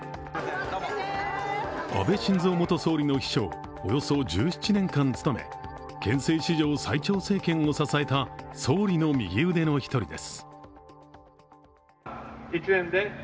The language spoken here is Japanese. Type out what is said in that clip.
安倍晋三元総理の秘書をおよそ１７年間務め憲政史上最長政権を支えた総理の右腕の１人です。